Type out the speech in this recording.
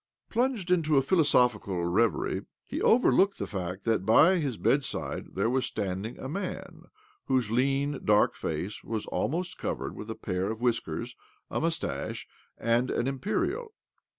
Plunged in a philosophical reverie, he overlooked the fact that by his bedside there was standing a man whose lean, dark face was almost covered with a pair of whiskers, a moustache, and an imperial.